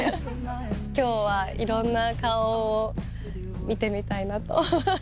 今日はいろんな顔を見てみたいなと。